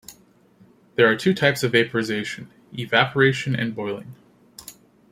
There are two types of vaporization: evaporation and boiling.